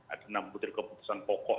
ada enam butir keputusan pokok